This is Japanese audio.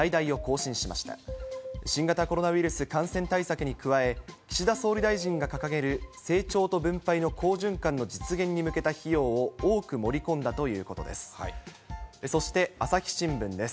新型コロナウイルス感染対策に加え、岸田総理大臣が掲げる成長と分配の好循環の実現に向けた費用を、多く盛り込んだということです。